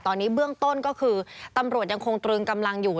ตอนนี้เบื้องต้นก็คือตำรวจยังคงตรึงกำลังอยู่